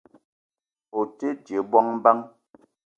O te dje bongo bang ?